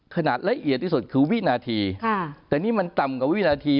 ละเอียดที่สุดคือวินาทีแต่นี่มันต่ำกว่าวินาที